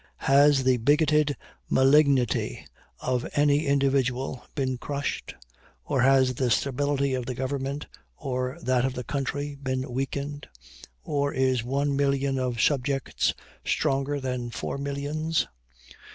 Has the bigoted malignity of any individual been crushed? Or has the stability of the government or that of the country been weakened? Or is one million of subjects stronger than four millions?